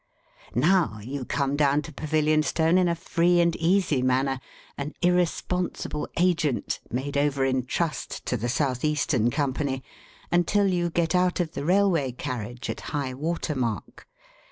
Now, you come down to Pavilionstone in a free and easy manner, an irresponsible agent, made over in trust to the South Eastern Company, until you get out of the railway carriage at high water mark.